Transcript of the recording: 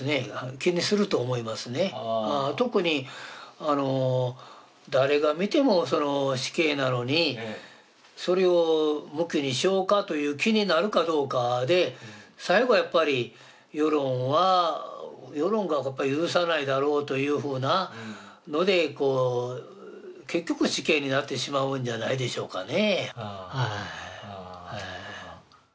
特に誰が見ても死刑なのに、それを無期にしようかという気になるかどうかで、最後はやっぱり、世論は、世論が許さないだろうというふうなので結局、死刑になってしまうんじゃないでしょうかね。